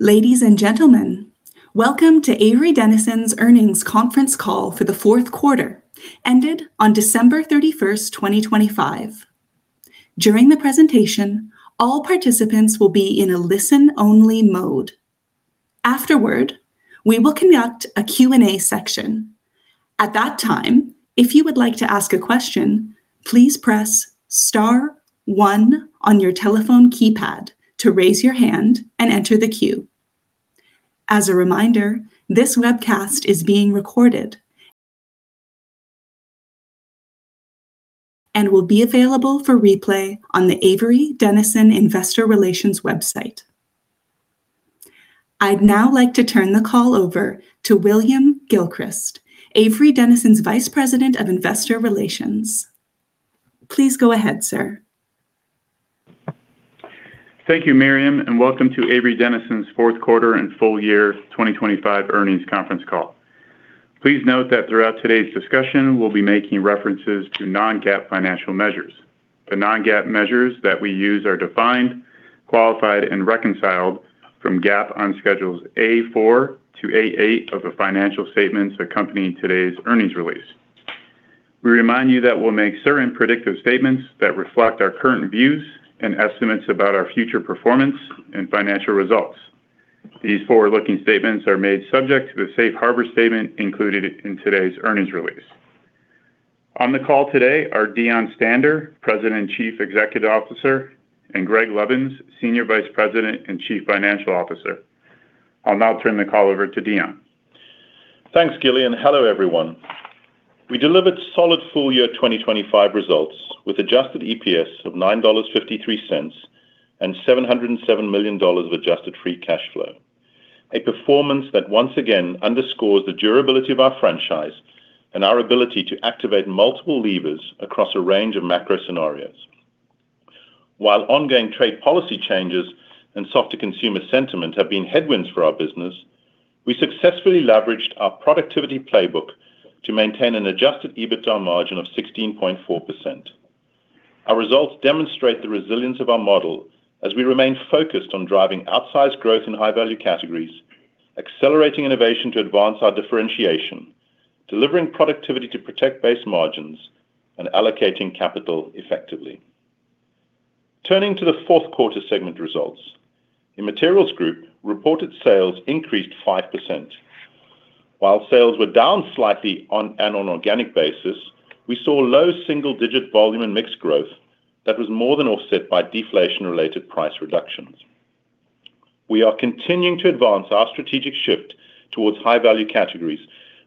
Ladies and gentlemen, welcome to Avery Dennison's Earnings Conference Call for the Q4, ended on December 31, 2025. During the presentation, all participants will be in a listen-only mode. Afterward, we will conduct a Q&A section. At that time, if you would like to ask a question, please press star one on your telephone keypad to raise your hand and enter the queue. As a reminder, this webcast is being recorded and will be available for replay on the Avery Dennison Investor Relations website. I'd now like to turn the call over to William Gilchrist, Avery Dennison's Vice President of Investor Relations. Please go ahead, sir. Thank you, Miriam, and welcome to Avery Dennison's Q4 and Full Year 2025 Earnings Conference Call. Please note that throughout today's discussion, we'll be making references to non-GAAP financial measures. The non-GAAP measures that we use are defined, qualified, and reconciled from GAAP on Schedules A-4 to A-8 of the financial statements accompanying today's earnings release. We remind you that we'll make certain predictive statements that reflect our current views and estimates about our future performance and financial results. These forward-looking statements are made subject to the safe harbor statement included in today's earnings release. On the call today are Deon Stander, President and Chief Executive Officer, and Greg Lovins, Senior Vice President and Chief Financial Officer. I'll now turn the call over to Deon. Thanks, Gilly, and hello, everyone. We delivered solid full-year 2025 results with adjusted EPS of $9.53 and $707 million of adjusted free cash flow. A performance that once again underscores the durability of our franchise and our ability to activate multiple levers across a range of macro scenarios. While ongoing trade policy changes and softer consumer sentiment have been headwinds for our business, we successfully leveraged our productivity playbook to maintain an adjusted EBITDA margin of 16.4%. Our results demonstrate the resilience of our model as we remain focused on driving outsized growth in high-value categories, accelerating innovation to advance our differentiation, delivering productivity to protect base margins, and allocating capital effectively. Turning to the Q4 segment results. In Materials Group, reported sales increased 5%. While sales were down slightly on an organic basis, we saw low single-digit volume and mix growth that was more than offset by deflation-related price reductions. We are continuing to advance our strategic shift towards high-value categories,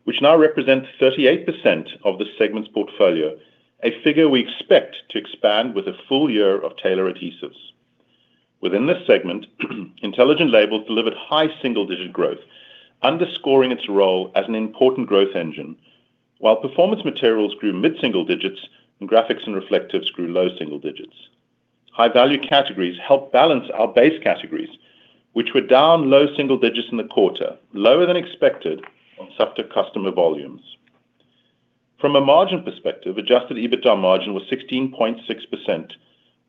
which now represent 38% of the segment's portfolio, a figure we expect to expand with a full year of Taylor Adhesives. Within this segment, Intelligent Labels delivered high single-digit growth, underscoring its role as an important growth engine, while Performance Materials grew mid-single digits and Graphics and Reflectives grew low single digits. High-value categories helped balance our base categories, which were down low single digits in the quarter, lower than expected on softer customer volumes. From a margin perspective, adjusted EBITDA margin was 16.6%,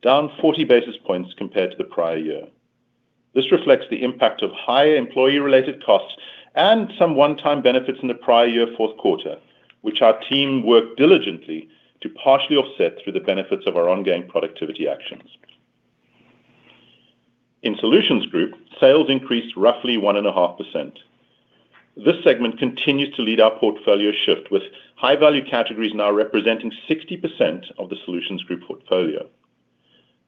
down 40 basis points compared to the prior year. This reflects the impact of higher employee-related costs and some one-time benefits in the prior year Q4, which our team worked diligently to partially offset through the benefits of our ongoing productivity actions. In Solutions Group, sales increased roughly 1.5%. This segment continues to lead our portfolio shift, with high-value categories now representing 60% of the Solutions Group portfolio.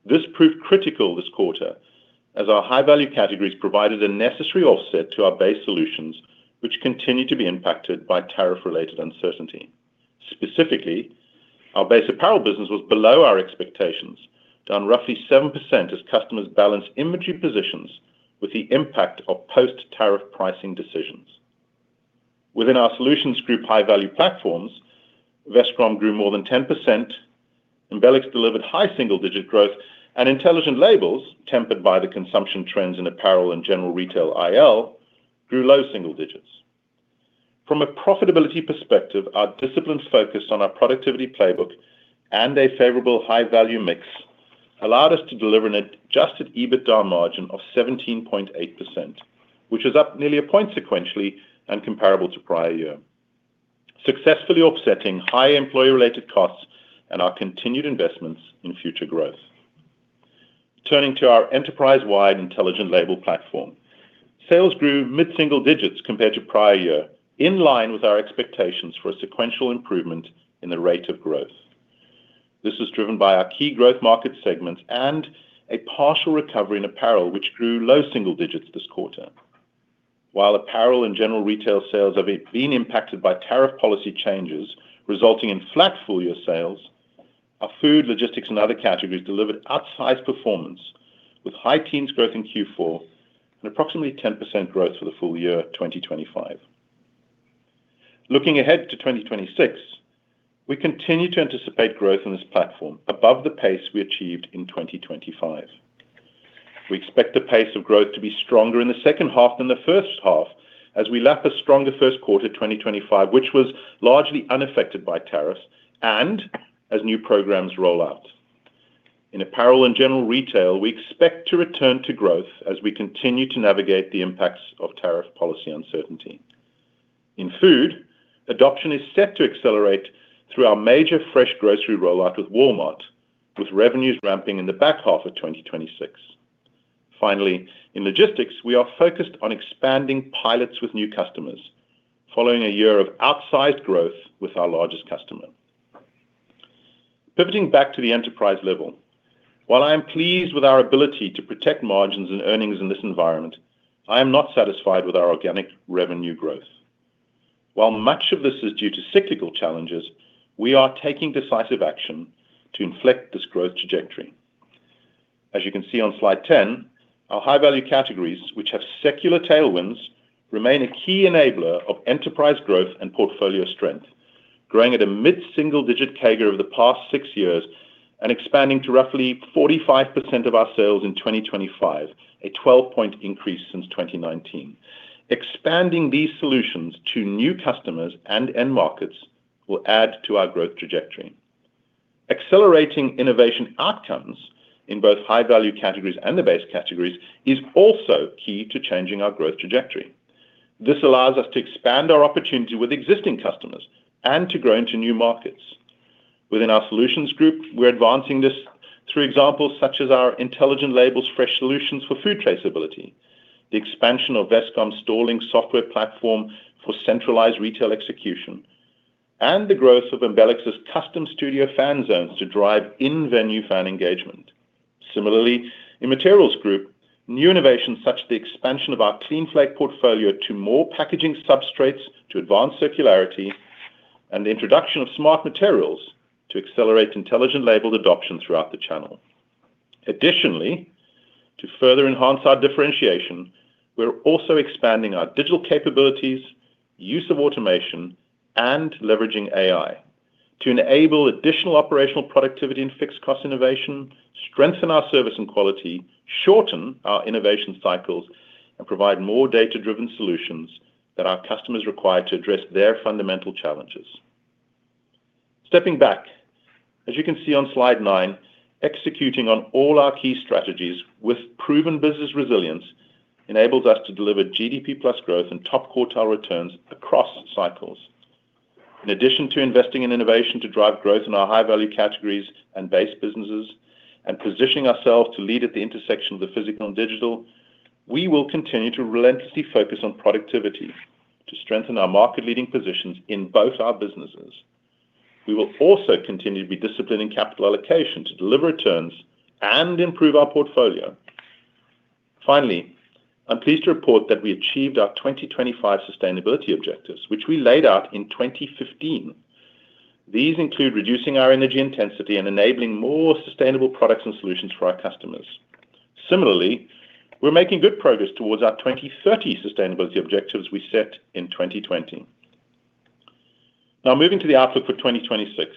This proved critical this quarter, as our high-value categories provided a necessary offset to our base solutions, which continued to be impacted by tariff-related uncertainty. Specifically, our base apparel business was below our expectations, down roughly 7% as customers balanced inventory positions with the impact of post-tariff pricing decisions. Within our Solutions Group high-value platforms, Vestcom grew more than 10%, Embelex delivered high single-digit growth, and Intelligent Labels, tempered by the consumption trends in apparel and general retail IL, grew low single digits. From a profitability perspective, our disciplines focused on our productivity playbook and a favorable high-value mix allowed us to deliver an adjusted EBITDA margin of 17.8%, which is up nearly a point sequentially and comparable to prior year, successfully offsetting high employee-related costs and our continued investments in future growth. Turning to our enterprise-wide Intelligent Label platform, sales grew mid-single digits compared to prior year, in line with our expectations for a sequential improvement in the rate of growth. This was driven by our key growth market segments and a partial recovery in apparel, which grew low single digits this quarter. While apparel and general retail sales have been impacted by tariff policy changes, resulting in flat full-year sales, our food, logistics, and other categories delivered outsized performance with high teens growth in Q4 and approximately 10% growth for the full year 2025. Looking ahead to 2026, we continue to anticipate growth in this platform above the pace we achieved in 2025. We expect the pace of growth to be stronger in the H2 than the H1, as we lap a stronger Q1, 2025, which was largely unaffected by tariffs and as new programs roll out. In apparel and general retail, we expect to return to growth as we continue to navigate the impacts of tariff policy uncertainty. In food, adoption is set to accelerate through our major fresh grocery rollout with Walmart, with revenues ramping in the back half of 2026. Finally, in logistics, we are focused on expanding pilots with new customers, following a year of outsized growth with our largest customer. Pivoting back to the enterprise level, while I am pleased with our ability to protect margins and earnings in this environment, I am not satisfied with our organic revenue growth. While much of this is due to cyclical challenges, we are taking decisive action to fix this growth trajectory. As you can see on slide 10, our high-value categories, which have secular tailwinds, remain a key enabler of enterprise growth and portfolio strength, growing at a mid-single-digit CAGR over the past six years and expanding to roughly 45% of our sales in 2025, a 12-point increase since 2019. Expanding these solutions to new customers and end markets will add to our growth trajectory. Accelerating innovation outcomes in both high-value categories and the base categories is also key to changing our growth trajectory. This allows us to expand our opportunity with existing customers and to grow into new markets. Within our Solutions Group, we're advancing this through examples such as our Intelligent Labels, fresh solutions for food traceability, the expansion of Vestcom's scaling software platform for centralized retail execution, and the growth of Embelex's Custom Studio fan zones to drive in-venue fan engagement. Similarly, in Materials Group, new innovations such as the expansion of our CleanFlake portfolio to more packaging substrates to advance circularity and the introduction of smart materials to accelerate Intelligent Label adoption throughout the channel. Additionally, to further enhance our differentiation, we're also expanding our digital capabilities, use of automation, and leveraging AI to enable additional operational productivity and fixed cost innovation, strengthen our service and quality, shorten our innovation cycles, and provide more data-driven solutions that our customers require to address their fundamental challenges. Stepping back, as you can see on slide 9, executing on all our key strategies with proven business resilience enables us to deliver GDP plus growth and top-quartile returns across cycles. In addition to investing in innovation to drive growth in our high-value categories and base businesses, and positioning ourselves to lead at the intersection of the physical and digital, we will continue to relentlessly focus on productivity to strengthen our market-leading positions in both our businesses. We will also continue to be disciplined in capital allocation to deliver returns and improve our portfolio. Finally, I'm pleased to report that we achieved our 2025 sustainability objectives, which we laid out in 2015. These include reducing our energy intensity and enabling more sustainable products and solutions for our customers. Similarly, we're making good progress towards our 2030 sustainability objectives we set in 2020. Now, moving to the outlook for 2026.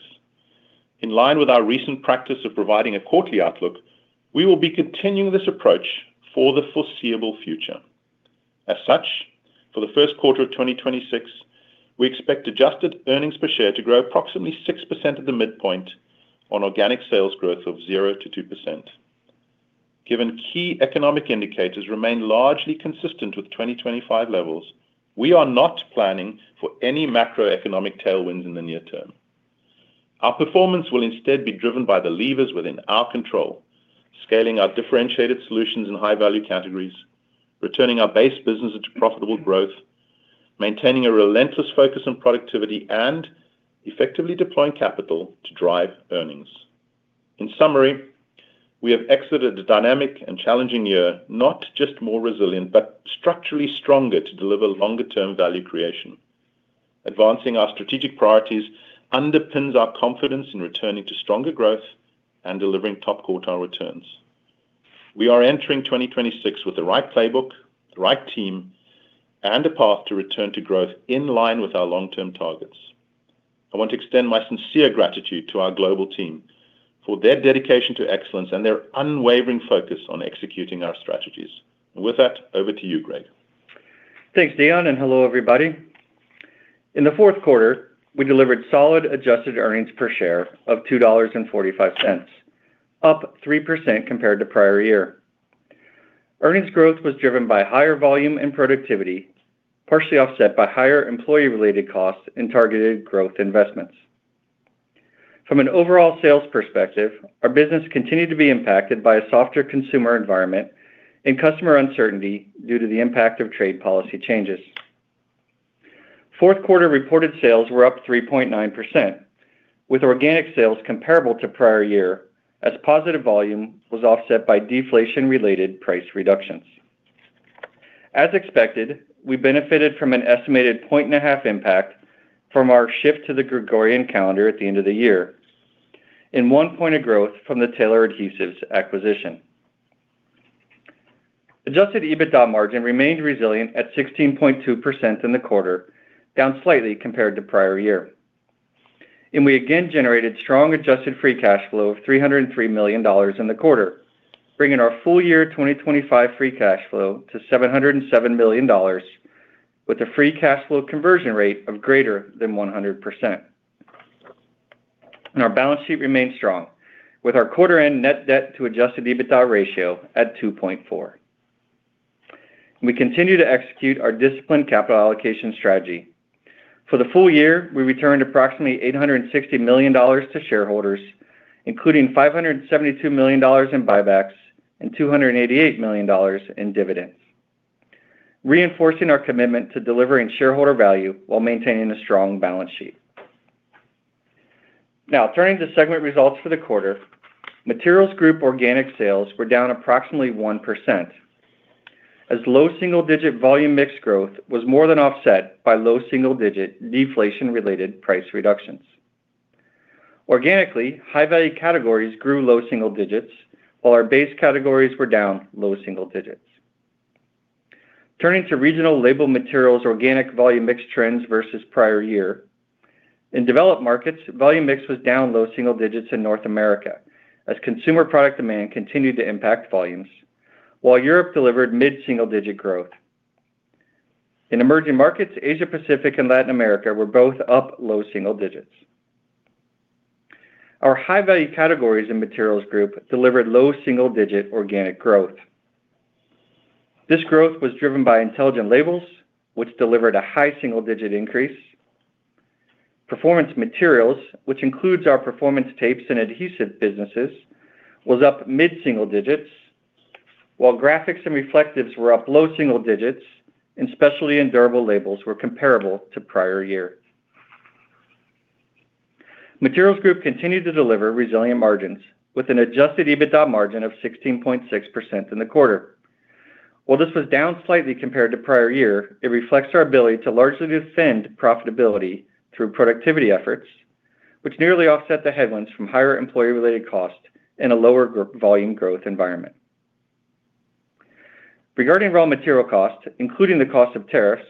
In line with our recent practice of providing a quarterly outlook, we will be continuing this approach for the foreseeable future. As such, for the Q1 of 2026, we expect adjusted earnings per share to grow approximately 6% at the midpoint on organic sales growth of 0%-2%. Given key economic indicators remain largely consistent with 2025 levels, we are not planning for any macroeconomic tailwinds in the near term. Our performance will instead be driven by the levers within our control, scaling our differentiated solutions in high-value categories, returning our base business into profitable growth, maintaining a relentless focus on productivity, and effectively deploying capital to drive earnings. In summary, we have exited a dynamic and challenging year, not just more resilient, but structurally stronger to deliver longer-term value creation. Advancing our strategic priorities underpins our confidence in returning to stronger growth and delivering top-quartile returns. We are entering 2026 with the right playbook, the right team, and a path to return to growth in line with our long-term targets. I want to extend my sincere gratitude to our global team for their dedication to excellence and their unwavering focus on executing our strategies. And with that, over to you, Greg. Thanks, Deon, and hello, everybody. In the Q4, we delivered solid adjusted earnings per share of $2.45, up 3% compared to prior year. Earnings growth was driven by higher volume and productivity, partially offset by higher employee-related costs and targeted growth investments. From an overall sales perspective, our business continued to be impacted by a softer consumer environment and customer uncertainty due to the impact of trade policy changes. Q4 reported sales were up 3.9%, with organic sales comparable to prior year, as positive volume was offset by deflation-related price reductions. As expected, we benefited from an estimated 1.5-point impact from our shift to the Gregorian calendar at the end of the year, and 1 point of growth from the Taylor Adhesives acquisition. Adjusted EBITDA margin remained resilient at 16.2% in the quarter, down slightly compared to prior year. And we again generated strong adjusted free cash flow of $303 million in the quarter, bringing our full year 2025 free cash flow to $707 million, with a free cash flow conversion rate of greater than 100%. And our balance sheet remains strong, with our quarter end net debt to adjusted EBITDA ratio at 2.4. We continue to execute our disciplined capital allocation strategy. For the full year, we returned approximately $860 million to shareholders, including $572 million in buybacks and $288 million in dividends, reinforcing our commitment to delivering shareholder value while maintaining a strong balance sheet. Now, turning to segment results for the quarter, Materials Group organic sales were down approximately 1%, as low single-digit volume mix growth was more than offset by low double-digit deflation-related price reductions. Organically, high-value categories grew low single digits, while our base categories were down low single digits. Turning to regional Label Materials organic volume mix trends versus prior year. In developed markets, volume mix was down low single digits in North America, as consumer product demand continued to impact volumes, while Europe delivered mid-single-digit growth. In emerging markets, Asia Pacific and Latin America were both up low single digits. Our high-value categories in Materials Group delivered low single-digit organic growth. This growth was driven by Intelligent Labels, which delivered a high single-digit increase. Performance Materials, which includes our Performance Tapes and adhesive businesses, was up mid-single digits, while Graphics and Reflectives were up low single digits, and especially in durable labels, were comparable to prior year. Materials Group continued to deliver resilient margins with an Adjusted EBITDA margin of 16.6% in the quarter. While this was down slightly compared to prior year, it reflects our ability to largely defend profitability through productivity efforts, which nearly offset the headwinds from higher employee-related costs and a lower group volume growth environment. Regarding raw material costs, including the cost of tariffs,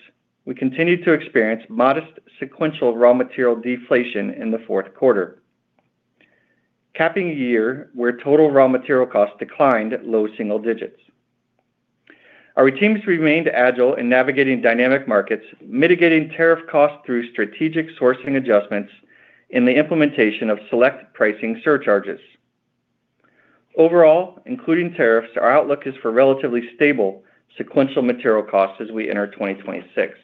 we continued to experience modest sequential raw material deflation in the Q4, capping a year where total raw material costs declined low single digits. Our teams remained agile in navigating dynamic markets, mitigating tariff costs through strategic sourcing adjustments in the implementation of select pricing surcharges. Overall, including tariffs, our outlook is for relatively stable sequential material costs as we enter 2026.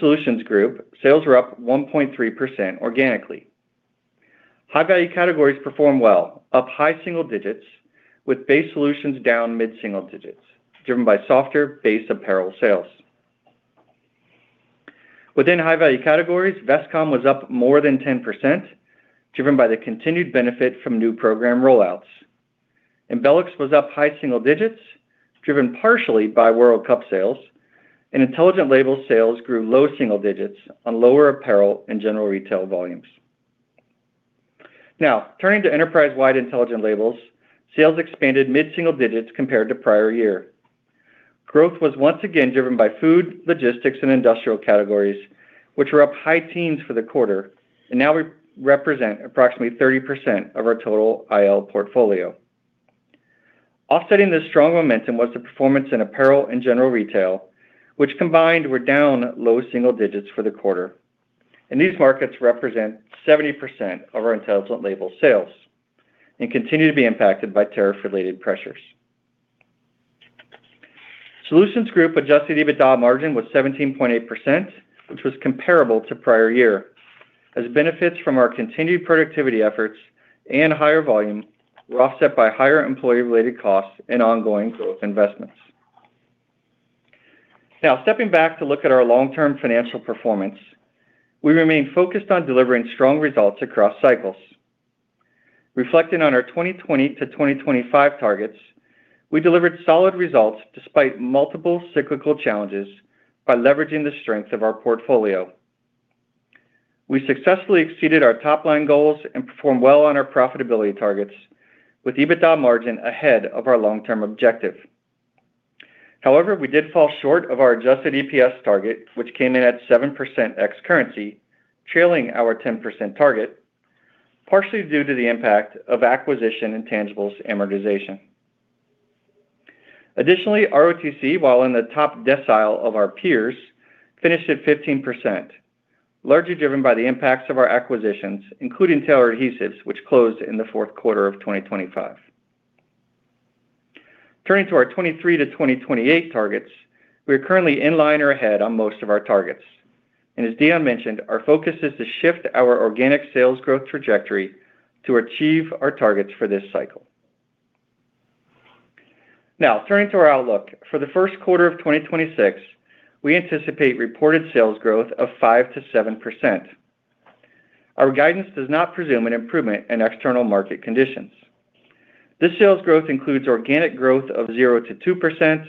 Solutions Group, sales were up 1.3% organically. High-value categories performed well, up high single digits, with base solutions down mid-single digits, driven by softer base apparel sales. Within high-value categories, Vestcom was up more than 10%, driven by the continued benefit from new program rollouts. Embelex was up high single digits, driven partially by World Cup sales, and Intelligent Labels sales grew low single digits on lower apparel and general retail volumes. Now, turning to enterprise-wide Intelligent Labels, sales expanded mid-single digits compared to prior year. Growth was once again driven by food, logistics, and industrial categories, which were up high teens for the quarter and now represent approximately 30% of our total IL portfolio. Offsetting this strong momentum was the performance in apparel and general retail, which combined were down low single digits for the quarter, and these markets represent 70% of our Intelligent Labels sales and continue to be impacted by tariff-related pressures. Solutions Group adjusted EBITDA margin was 17.8%, which was comparable to prior year, as benefits from our continued productivity efforts and higher volume were offset by higher employee-related costs and ongoing growth investments. Now, stepping back to look at our long-term financial performance, we remain focused on delivering strong results across cycles. Reflecting on our 2020 to 2025 targets, we delivered solid results despite multiple cyclical challenges by leveraging the strength of our portfolio. We successfully exceeded our top-line goals and performed well on our profitability targets, with EBITDA margin ahead of our long-term objective. However, we did fall short of our adjusted EPS target, which came in at 7% ex currency, trailing our 10% target, partially due to the impact of acquisition and intangibles amortization. Additionally, ROTC, while in the top decile of our peers, finished at 15%, largely driven by the impacts of our acquisitions, including Taylor Adhesives, which closed in the Q4 of 2025. Turning to our 2023 to 2028 targets, we are currently in line or ahead on most of our targets. And as Deon mentioned, our focus is to shift our organic sales growth trajectory to achieve our targets for this cycle. Now, turning to our outlook. For the Q1 of 2026, we anticipate reported sales growth of 5%-7%. Our guidance does not presume an improvement in external market conditions. This sales growth includes organic growth of 0%-2%,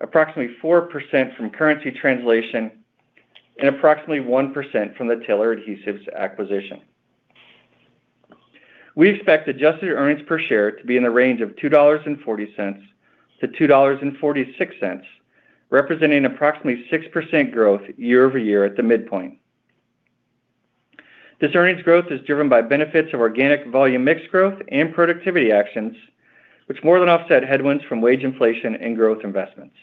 approximately 4% from currency translation, and approximately 1% from the Taylor Adhesives acquisition. We expect adjusted earnings per share to be in the range of $2.40-$2.46, representing approximately 6% growth year-over-year at the midpoint. This earnings growth is driven by benefits of organic volume mix growth and productivity actions, which more than offset headwinds from wage inflation and growth investments.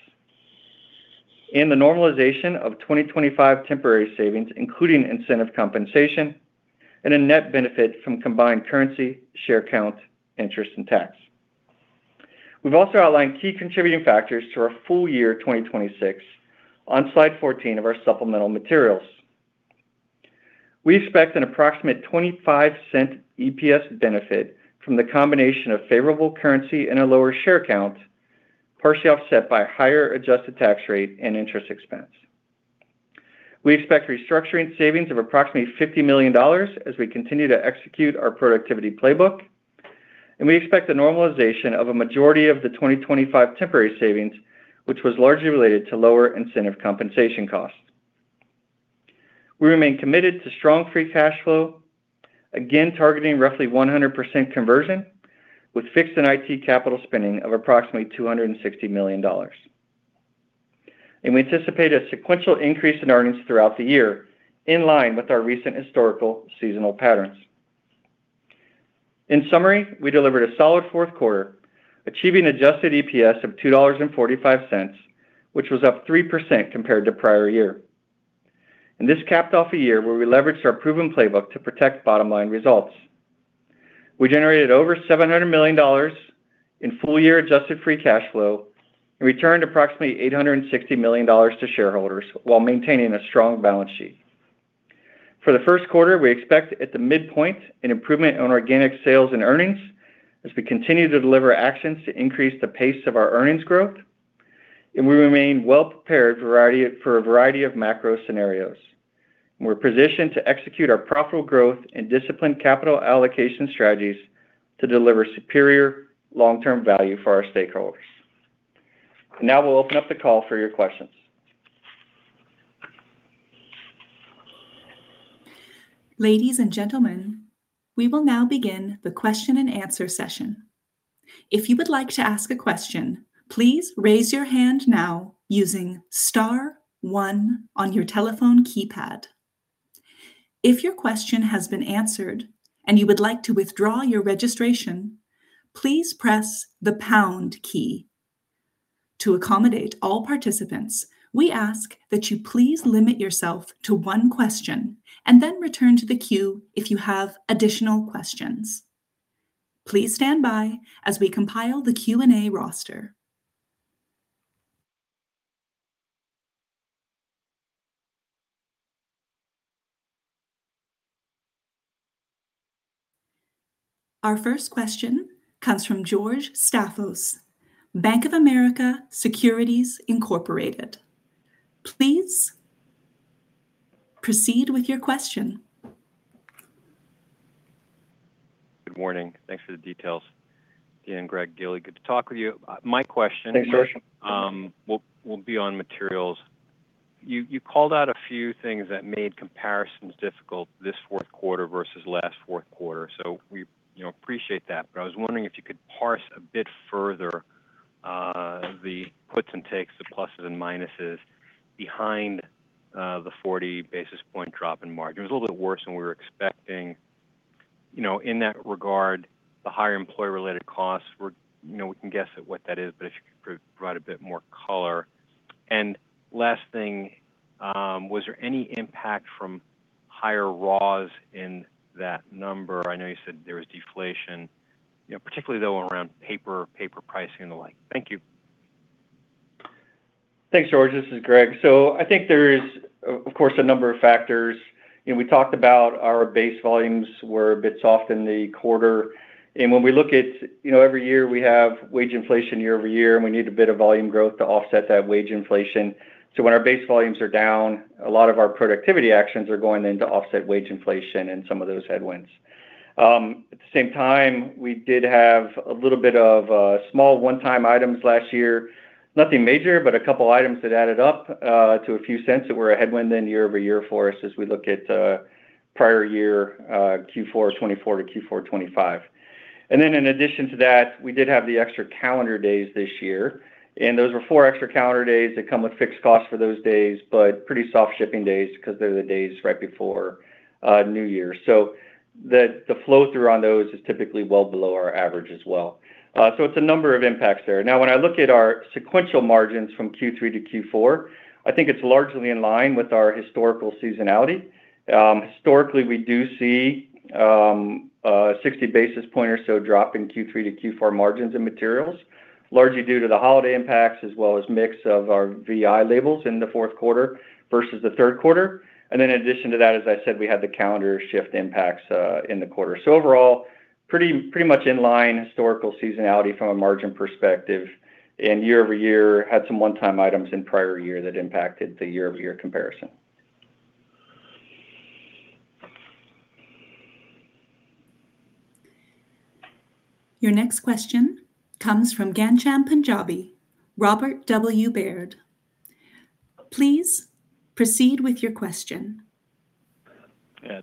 In the normalization of 2025 temporary savings, including incentive compensation and a net benefit from combined currency, share count, interest, and tax. We've also outlined key contributing factors to our full-year 2026 on slide 14 of our supplemental materials. We expect an approximate $0.25 EPS benefit from the combination of favorable currency and a lower share count, partially offset by higher adjusted tax rate and interest expense. We expect restructuring savings of approximately $50 million as we continue to execute our productivity playbook, and we expect the normalization of a majority of the 2025 temporary savings, which was largely related to lower incentive compensation costs. We remain committed to strong free cash flow, again, targeting roughly 100% conversion with fixed and IT capital spending of approximately $260 million. We anticipate a sequential increase in earnings throughout the year, in line with our recent historical seasonal patterns. In summary, we delivered a solid Q4, achieving adjusted EPS of $2.45, which was up 3% compared to prior year. And this capped off a year where we leveraged our proven playbook to protect bottom line results. We generated over $700 million in full-year Adjusted Free Cash Flow and returned approximately $860 million to shareholders while maintaining a strong balance sheet. For the Q1, we expect at the midpoint an improvement on organic sales and earnings as we continue to deliver actions to increase the pace of our earnings growth, and we remain well prepared for a variety of macro scenarios. We're positioned to execute our profitable growth and disciplined capital allocation strategies to deliver superior long-term value for our stakeholders. Now we'll open up the call for your questions. Ladies and gentlemen, we will now begin the Q&A session. If you would like to ask a question, please raise your hand now using star one on your telephone keypad. If your question has been answered and you would like to withdraw your registration, please press the pound key. To accommodate all participants, we ask that you please limit yourself to one question and then return to the queue if you have additional questions. Please stand by as we compile the Q&A roster. Our first question comes from George Staphos, Bank of America Corporation. Please proceed with your question. Good morning. Thanks for the details. Dan, Greg, Gilly, good to talk with you. My question will be on materials. You called out a few things that made comparisons difficult this Q4 versus last Q4, so we, you know, appreciate that. But I was wondering if you could parse a bit further, the puts and takes, the pluses and minuses behind, the 40 basis point drop in margin. It was a little bit worse than we were expecting. You know, in that regard, the higher employee-related costs were, you know, we can guess at what that is, but if you could provide a bit more color. And last thing, was there any impact from higher raws in that number? I know you said there was deflation, you know, particularly though, around paper pricing and the like. Thank you. Thanks, George. This is Greg. So I think there is, of course, a number of factors. You know, we talked about our base volumes were a bit soft in the quarter, and when we look at, you know, every year we have wage inflation year-over-year, and we need a bit of volume growth to offset that wage inflation. So when our base volumes are down, a lot of our productivity actions are going in to offset wage inflation and some of those headwinds. At the same time, we did have a little bit of small one-time items last year. Nothing major, but a couple items that added up to a few cents that were a headwind year-over-year for us as we look at prior year, Q4 2024 to Q4 2025. And then in addition to that, we did have the extra calendar days this year, and those were 4 extra calendar days that come with fixed costs for those days, but pretty soft shipping days because they're the days right before New Year. So the flow-through on those is typically well below our average as well. So it's a number of impacts there. Now, when I look at our sequential margins from Q3 to Q4, I think it's largely in line with our historical seasonality. Historically, we do see 60 basis point or so drop in Q3 to Q4 margins and materials, largely due to the holiday impacts as well as mix of our VI labels in the Q4 versus the Q3. And in addition to that, as I said, we had the calendar shift impacts in the quarter. Overall, pretty, pretty much in line historical seasonality from a margin perspective, and year-over-year had some one-time items in prior year that impacted the year-over-year comparison. Your next question comes from Ghansham Panjabi, Robert W. Baird & Co. Incorporated.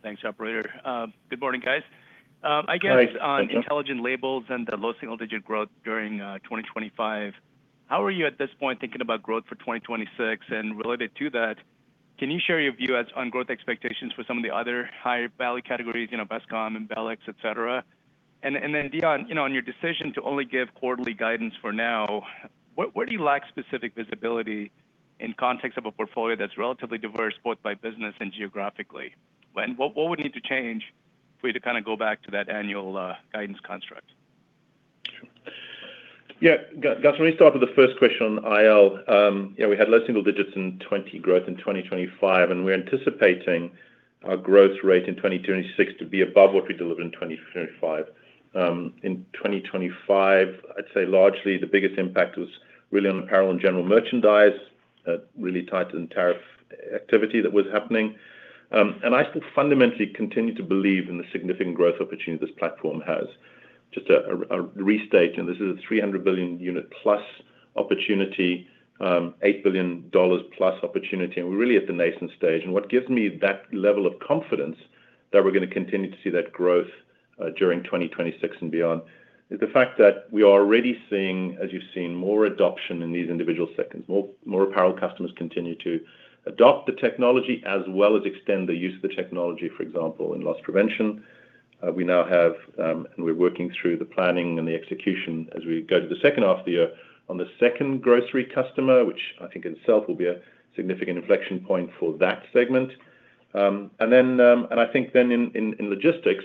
Thanks, operator. Good morning, guys. I guess on Intelligent Labels and the low single-digit growth during 2025, how are you at this point thinking about growth for 2026? And related to that, can you share your view on growth expectations for some of the other high-value categories, you know, Vestcom and Embelex, et cetera? And then beyond, you know, on your decision to only give quarterly guidance for now, what, where do you lack specific visibility in context of a portfolio that's relatively diverse, both by business and geographically? What, what would need to change for you to go back to that annual guidance construct? Ghansham, let me start with the first question on IL. We had low single digits in 2025 growth, and we're anticipating our growth rate in 2026 to be above what we delivered in 2025. In 2025, I'd say largely the biggest impact was really on apparel and general merchandise, really tied to the tariff activity that was happening. And I still fundamentally continue to believe in the significant growth opportunity this platform has. Just a restate, and this is a 300 billion unit plus opportunity, $8 billion plus opportunity, and we're really at the nascent stage. And what gives me that level of confidence that we're gonna continue to see that growth during 2026 and beyond is the fact that we are already seeing, as you've seen, more adoption in these individual sectors. More, more apparel customers continue to adopt the technology as well as extend the use of the technology, for example, in loss prevention. We now have, and we're working through the planning and the execution as we go to the H2 of the year on the second grocery customer, which I think in itself will be a significant inflection point for that segment. Then in logistics,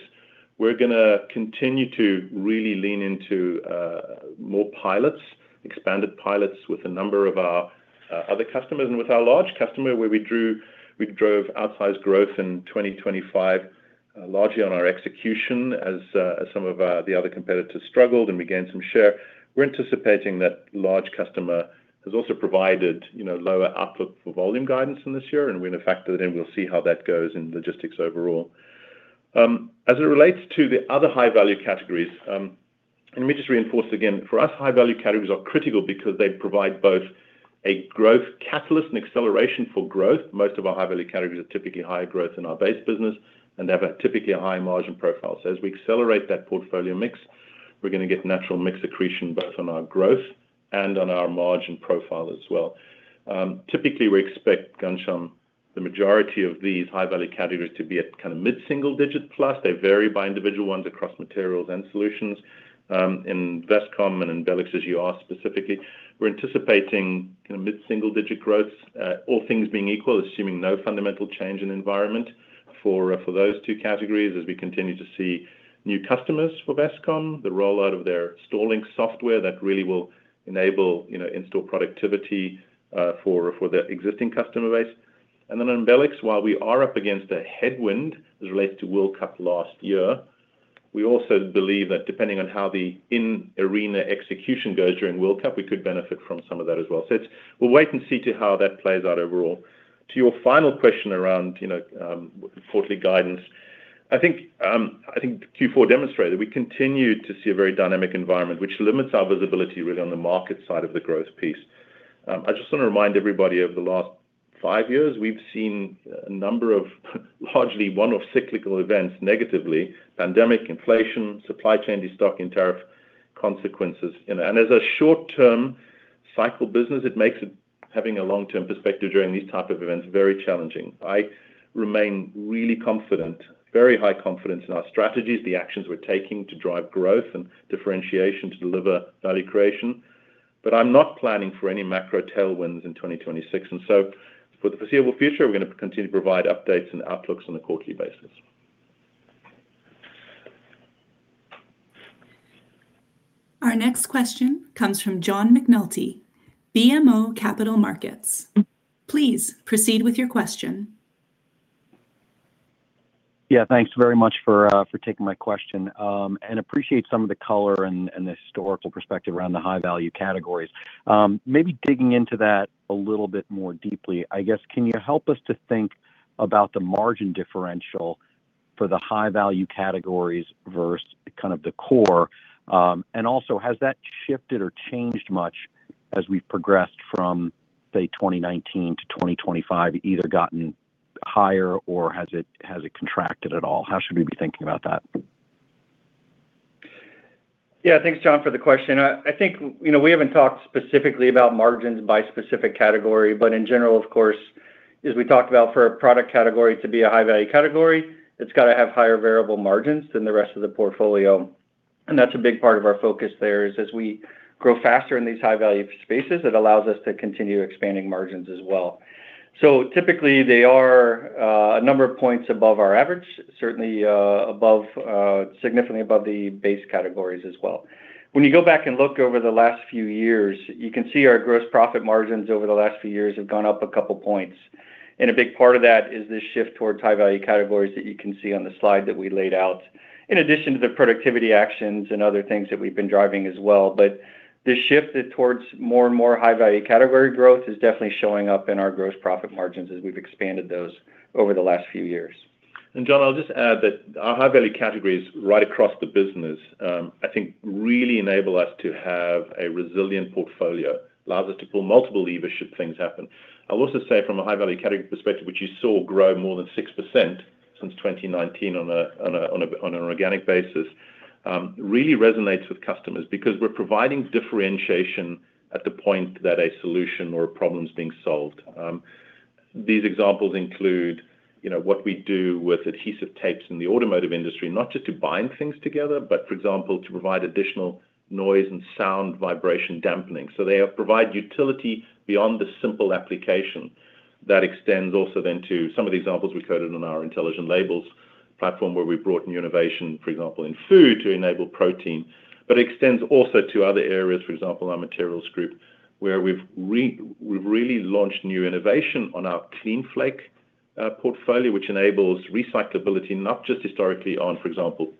we're gonna continue to really lean into more pilots, expanded pilots with a number of our other customers and with our large customer, where we drove outsized growth in 2025, largely on our execution as some of the other competitors struggled and we gained some share. We're anticipating that large customer has also provided, you know, lower outlook for volume guidance in this year, and we're going to factor it in. We'll see how that goes in logistics overall. As it relates to the other high-value categories, let me just reinforce again, for us, high-value categories are critical because they provide both a growth catalyst and acceleration for growth. Most of our high-value categories are typically higher growth in our base business and have a typically higher margin profile. So as we accelerate that portfolio mix, we're gonna get natural mix accretion both on our growth and on our margin profile as well. Typically, we expect, Ghansham, the majority of these high-value categories to be at mid-single digit plus. They vary by individual ones across materials and solutions. In Vestcom and in Embelex, as you asked specifically, we're anticipating mid-single-digit growth, all things being equal, assuming no fundamental change in environment for those two categories, as we continue to see new customers for Vestcom, the rollout of their standalone software that really will enable, you know, in-store productivity for their existing customer base. And then in Vestcom, while we are up against a headwind as it relates to World Cup last year, we also believe that depending on how the in-arena execution goes during World Cup, we could benefit from some of that as well. So it's. We'll wait and see to how that plays out overall. To your final question around, you know, quarterly guidance, I think, I think Q4 demonstrated we continued to see a very dynamic environment, which limits our visibility really on the market side of the growth piece. I just want to remind everybody, over the last five years, we've seen a number of largely one-off cyclical events negatively, pandemic, inflation, supply chain, destocking, and tariff consequences. And as a short-term cycle business, it makes it, having a long-term perspective during these type of events, very challenging. I remain really confident, very high confidence in our strategies, the actions we're taking to drive growth and differentiation to deliver value creation. But I'm not planning for any macro tailwinds in 2026, and so for the foreseeable future, we're gonna continue to provide updates and outlooks on a quarterly basis. Our next question comes from John McNulty, BMO Financial Group. Please proceed with your question. Thanks very much for taking my question, and appreciate some of the color and the historical perspective around the high-value categories. Maybe digging into that a little bit more deeply, I guess, can you help us to think about the margin differential for the high-value categories versus the core? And also, has that shifted or changed much as we've progressed from, say, 2019 to 2025, either gotten higher or has it contracted at all? How should we be thinking about that? Thanks, John, for the question. I think, you know, we haven't talked specifically about margins by specific category, but in general, of course, as we talked about, for a product category to be a high-value category, it's got to have higher variable margins than the rest of the portfolio. And that's a big part of our focus there, is as we grow faster in these high-value spaces, it allows us to continue expanding margins as well. So typically, they are a number of points above our average, certainly above, significantly above the base categories as well. When you go back and look over the last few years, you can see our gross profit margins over the last few years have gone up a couple points. A big part of that is this shift towards high-value categories that you can see on the slide that we laid out, in addition to the productivity actions and other things that we've been driving as well. But this shift towards more and more high-value category growth is definitely showing up in our gross profit margins as we've expanded those over the last few years. And John, I'll just add that our high-value categories right across the business, I think really enable us to have a resilient portfolio, allows us to pull multiple levers should things happen. I'll also say from a high-value category perspective, which you saw grow more than 6% since 2019 on an organic basis, really resonates with customers because we're providing differentiation at the point that a solution or a problem is being solved. These examples include, you know, what we do with adhesive tapes in the automotive industry, not just to bind things together, but for example, to provide additional noise and sound vibration dampening. So they are provide utility beyond the simple application. That extends also then to some of the examples we quoted on our Intelligent Labels platform, where we brought new innovation, for example, in food, to enable protein, but extends also to other areas. For example, our materials group, where we've really launched new innovation on our CleanFlake portfolio, which enables recyclability, not just historically on, for example,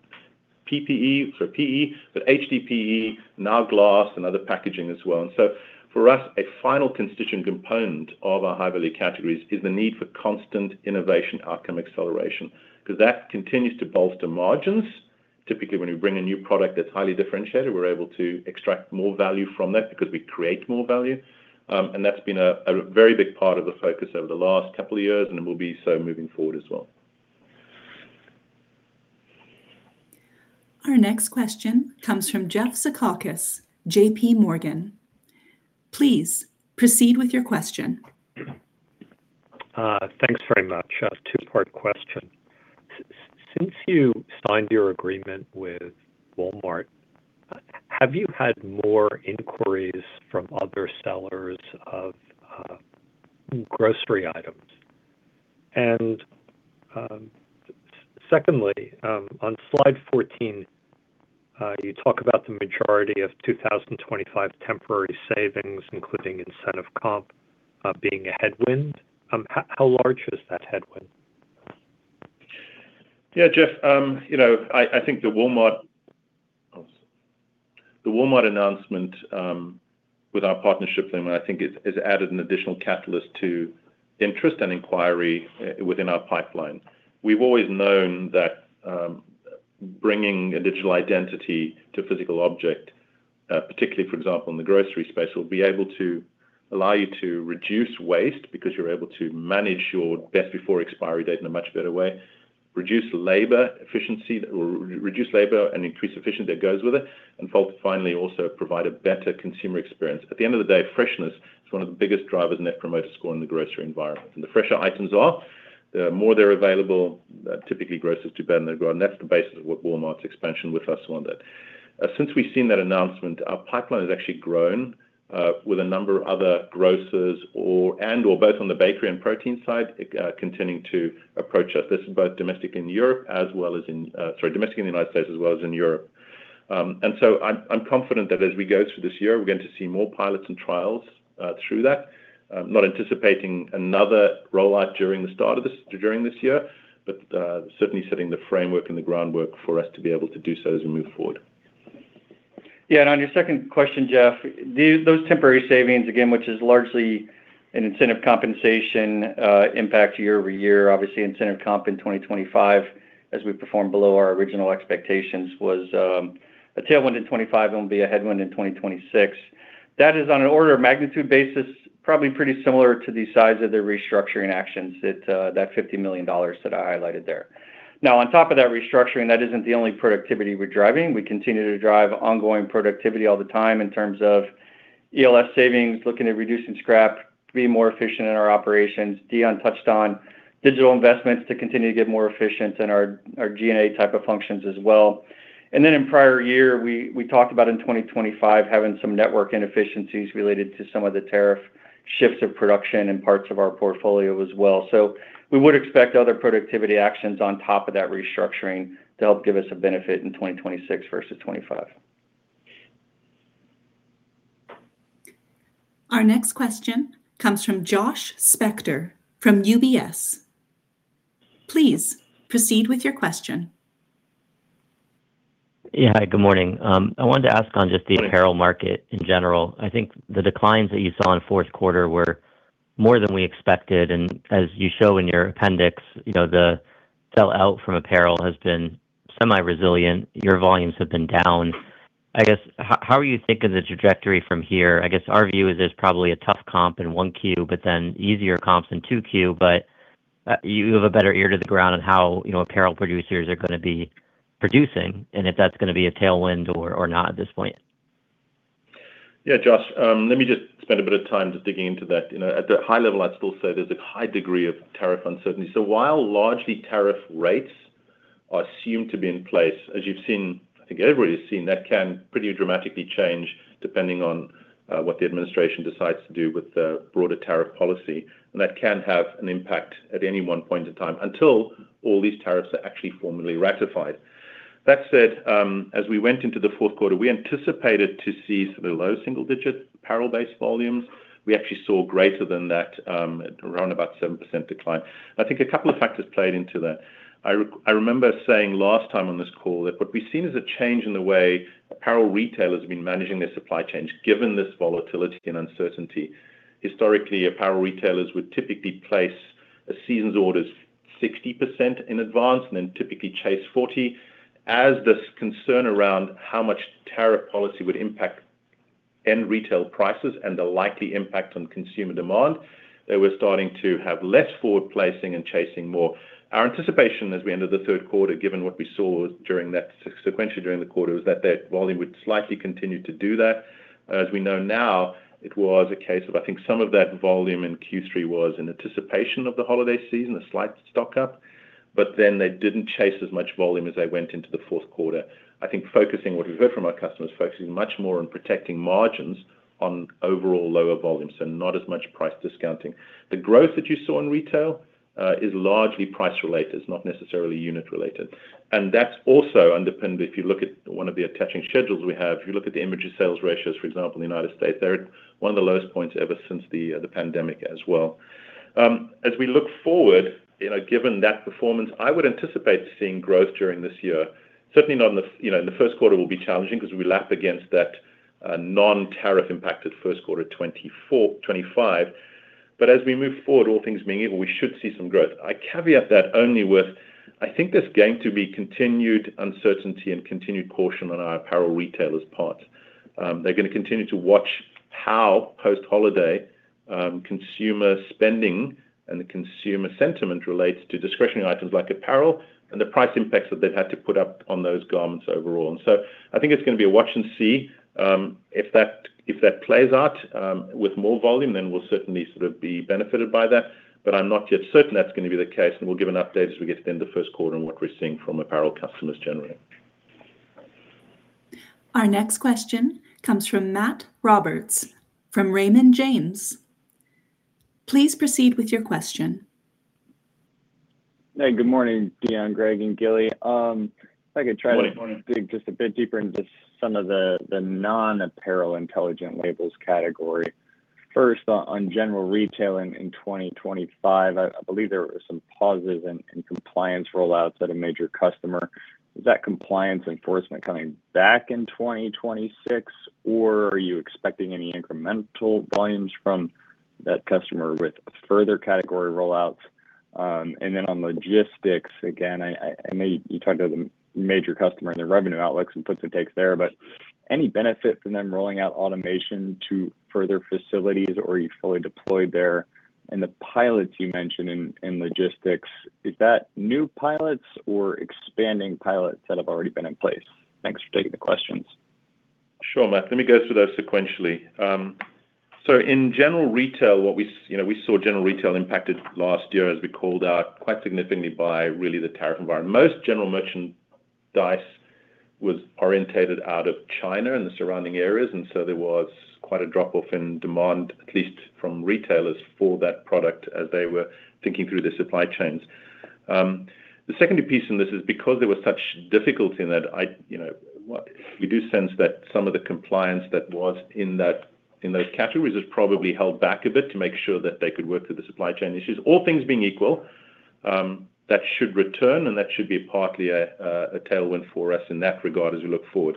PPE, sorry, PE, but HDPE, now glass and other packaging as well. And so for us, a final constituent component of our high-value categories is the need for constant innovation, outcome acceleration, because that continues to bolster margins. Typically, when we bring a new product that's highly differentiated, we're able to extract more value from that because we create more value. That's been a very big part of the focus over the last couple of years, and it will be so moving forward as well. Our next question comes from Jeffrey Zekauskas, JPMorgan Chase & Co. Please proceed with your question. Thanks very much. A two-part question. Since you signed your agreement with Walmart, have you had more inquiries from other sellers of grocery items? And, secondly, on slide 14, you talk about the majority of 2025 temporary savings, including incentive comp, being a headwind. How large is that headwind? Jeff, the Walmart announcement with our partnership then, I think it has added an additional catalyst to interest and inquiry within our pipeline. We've always known that bringing a digital identity to a physical object, particularly, for example, in the grocery space, will be able to allow you to reduce waste because you're able to manage your best before expiry date in a much better way, reduce labor efficiency, or reduce labor and increase efficiency that goes with it, and finally, also provide a better consumer experience. At the end of the day, freshness is one of the biggest drivers Net Promoter Score in the grocery environment. And the fresher items are, the more they're available, typically, grocers do better than they grow. And that's the basis of what Walmart's expansion with us on that. Since we've seen that announcement, our pipeline has actually grown, with a number of other grocers or, and, or both on the bakery and protein side, continuing to approach us. This is both domestic in Europe as well as in, domestic in the United States as well as in Europe. And so I'm confident that as we go through this year, we're going to see more pilots and trials, through that. I'm not anticipating another rollout during the start of this- during this year, but, certainly setting the framework and the groundwork for us to be able to do so as we move forward. On your second question, Jeff, those temporary savings, again, which is largely an incentive compensation impact year over year, obviously, incentive comp in 2025, as we performed below our original expectations, was a tailwind in 2025 and will be a headwind in 2026. That is on an order of magnitude basis, probably pretty similar to the size of the restructuring actions that $50 million that I highlighted there. Now, on top of that restructuring, that isn't the only productivity we're driving. We continue to drive ongoing productivity all the time in terms of ELS savings, looking at reducing scrap, being more efficient in our operations. Deon touched on digital investments to continue to get more efficient in our G&A type of functions as well. Then in prior year, we talked about in 2025 having some network inefficiencies related to some of the tariff shifts of production in parts of our portfolio as well. We would expect other productivity actions on top of that restructuring to help give us a benefit in 2026 versus 2025. Our next question comes from Josh Spector, from UBS. Please proceed with your question. Hi, good morning. I wanted to ask on just the apparel market in general. I think the declines that you saw in the Q4 were more than we expected, and as you show in your appendix, you know, the sellout from apparel has been semi-resilient. Your volumes have been down. I guess, how are you thinking of the trajectory from here? I guess our view is there's probably a tough comp in one Q, but then easier comps in two Q. But, you have a better ear to the ground on how, you know, apparel producers are gonna be producing, and if that's gonna be a tailwind or, or not at this point. Josh, let me just spend a bit of time just digging into that. You know, at the high level, I'd still say there's a high degree of tariff uncertainty. So while largely tariff rates are assumed to be in place, as you've seen, I think everybody's seen, that can pretty dramatically change depending on, what the administration decides to do with the broader tariff policy. And that can have an impact at any one point in time, until all these tariffs are actually formally ratified. That said, as we went into the Q4, we anticipated to see some of the low single-digit apparel-based volumes. We actually saw greater than that, around about 7% decline. I think a couple of factors played into that. I remember saying last time on this call that what we've seen is a change in the way apparel retailers have been managing their supply chains, given this volatility and uncertainty. Historically, apparel retailers would typically place a season's orders 60% in advance, and then typically chase 40. As this concern around how much tariff policy would impact end retail prices and the likely impact on consumer demand, they were starting to have less forward placing and chasing more. Our anticipation as we ended the Q3, given what we saw during that sequentially during the quarter, was that that volume would slightly continue to do that. As we know now, it was a case of, I think, some of that volume in Q3 was in anticipation of the holiday season, a slight stock-up, but then they didn't chase as much volume as they went into the Q4. I think focusing what we heard from our customers, focusing much more on protecting margins on overall lower volumes, so not as much price discounting. The growth that you saw in retail, is largely price related, it's not necessarily unit related. And that's also underpinned, if you look at one of the attaching schedules we have, if you look at the imagery sales ratios, for example, in the United States, they're at one of the lowest points ever since the, the pandemic as well. As we look forward, you know, given that performance, I would anticipate seeing growth during this year. Certainly not in the, you know, in the Q1 will be challenging because we lap against that non-tariff impacted Q1 of 2024, 2025. But as we move forward, all things being equal, we should see some growth. I caveat that only with, I think there's going to be continued uncertainty and continued caution on our apparel retailers' part. They're gonna continue to watch how post-holiday consumer spending and the consumer sentiment relates to discretionary items like apparel and the price impacts that they've had to put up on those garments overall. And so I think it's gonna be a watch and see. If that, if that plays out with more volume, then we'll certainly be benefited by that, but I'm not yet certain that's gonna be the case, and we'll give an update as we get to the end of the Q1 on what we're seeing from apparel customers generally. Our next question comes from Matt Roberts, from Raymond James Financial, Inc. Hey, good morning, Deon, Greg, and Gilly. If I could try to dig just a bit deeper into some of the non-apparel Intelligent Labels category. First, on general retailing in 2025, I believe there were some pauses and compliance rollouts at a major customer. Is that compliance enforcement coming back in 2026, or are you expecting any incremental volumes from that customer with further category rollouts? And then on logistics, again, I know you talked about the major customer and their revenue outlooks and puts and takes there, but any benefit from them rolling out automation to further facilities, or are you fully deployed there? And the pilots you mentioned in logistics, is that new pilots or expanding pilots that have already been in place? Thanks for taking the questions. Sure, Matt. Let me go through those sequentially. So in general retail, what we, you know, we saw general retail impacted last year, as we called out, quite significantly by really the tariff environment. Most general merchandise was oriented out of China and the surrounding areas, and so there was quite a drop-off in demand, at least from retailers, for that product as they were thinking through the supply chains. The secondary piece in this is because there was such difficulty in that, I, you know, we do sense that some of the compliance that was in that, in those categories is probably held back a bit to make sure that they could work through the supply chain issues. All things being equal, that should return, and that should be partly a tailwind for us in that regard as we look forward.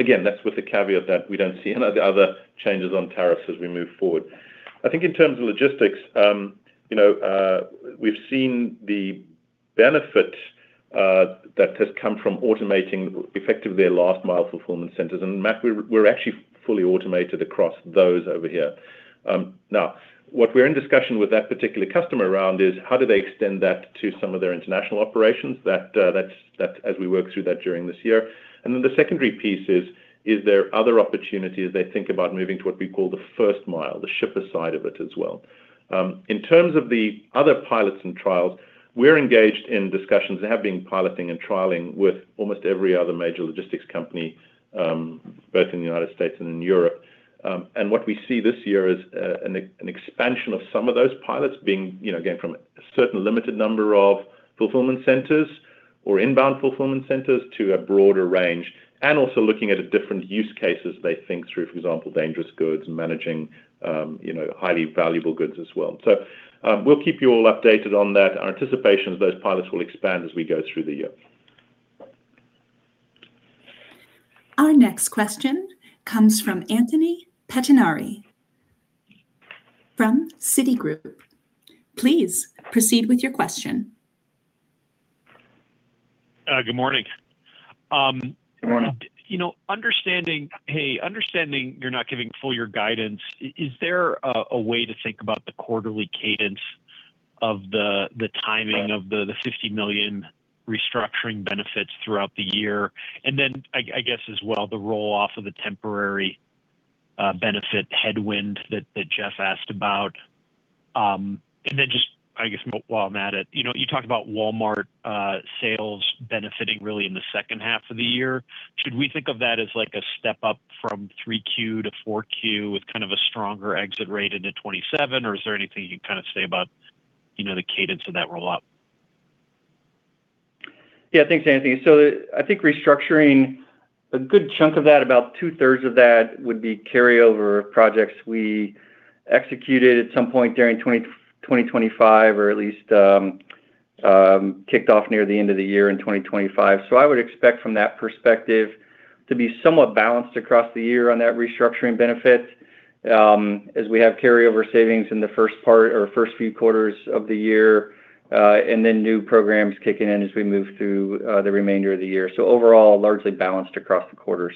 Again, that's with the caveat that we don't see any other changes on tariffs as we move forward. I think in terms of logistics, you know, we've seen the benefit that has come from automating effectively their last mile fulfillment centers. And, Matt, we're actually fully automated across those over here. Now, what we're in discussion with that particular customer around is, how do they extend that to some of their international operations? That's as we work through that during this year. And then the secondary piece is, is there other opportunities they think about moving to what we call the first mile, the shipper side of it as well. In terms of the other pilots and trials, we're engaged in discussions and have been piloting and trialing with almost every other major logistics company, both in the United States and in Europe. What we see this year is an expansion of some of those pilots being, you know, again, from a certain limited number of fulfillment centers or inbound fulfillment centers to a broader range, and also looking at a different use cases they think through, for example, dangerous goods and managing, you know, highly valuable goods as well. So, we'll keep you all updated on that. Our anticipation is those pilots will expand as we go through the year. Our next question comes from Anthony Pettinari, from Citigroup, Inc. Please proceed with your question. Good morning. Good morning. You know, understanding you're not giving full year guidance, is there a way to think about the quarterly cadence of the timing of the $50 million restructuring benefits throughout the year? And then I guess as well, the roll-off of the temporary benefit headwind that Jeff asked about. And then just, I guess, while I'm at it, you know, you talked about Walmart sales benefiting really in the H2 of the year. Should we think of that as like a step up from 3Q to 4Q with a stronger exit rate into 2027? Or is there anything you can say about, you know, the cadence of that rollout? Thanks, Anthony. So I think restructuring, a good chunk of that, about two-thirds of that, would be carryover projects we executed at some point during 2025, or at least, kicked off near the end of the year in 2025. So I would expect from that perspective to be somewhat balanced across the year on that restructuring benefit as we have carryover savings in the first part or first few quarters of the year, and then new programs kicking in as we move through the remainder of the year. So overall, largely balanced across the quarters.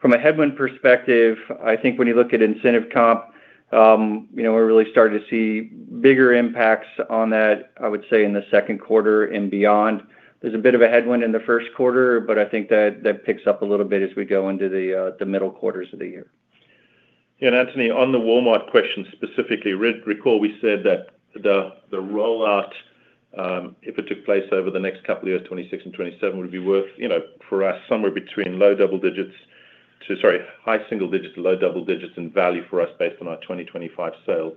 From a headwind perspective, I think when you look at incentive comp, you know, we're really starting to see bigger impacts on that, I would say, in the Q2 and beyond. There's a bit of a headwind in the Q1, but I think that picks up a little bit as we go into the middle quarters of the year. Anthony, on the Walmart question, specifically, recall, we said that the rollout, if it took place over the next couple of years, 2026 and 2027, would be worth, you know, for us, somewhere between low double digits to, sorry, high single digits to low double digits in value for us based on our 2025 sale.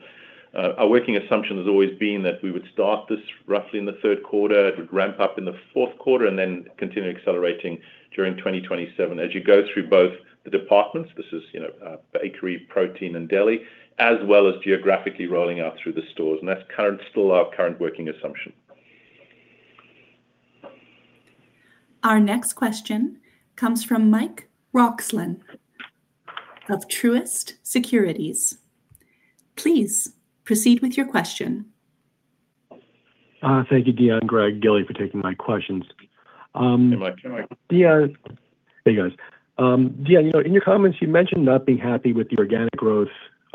Our working assumption has always been that we would start this roughly in the Q3. It would ramp up in the Q4 and then continue accelerating during 2027. As you go through both the departments, this is, you know, bakery, protein, and deli, as well as geographically rolling out through the stores, and that's still our current working assumption. Our next question comes from Mike Roxland of Truist Securities. Please proceed with your question. Thank you, Deon, Greg, Gilly, for taking my questions. Hey, guys. Deon, you know, in your comments, you mentioned not being happy with the organic growth,